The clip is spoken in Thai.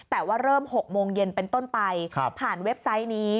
แต่ว่าเริ่ม๖โมงเย็นเป็นต้นไปผ่านเว็บไซต์นี้